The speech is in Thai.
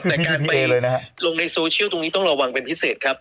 แต่การไปเลยนะฮะลงในโซเชียลตรงนี้ต้องระวังเป็นพิเศษครับ